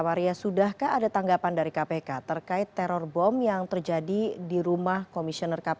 maria sudahkah ada tanggapan dari kpk terkait teror bom yang terjadi di rumah komisioner kpk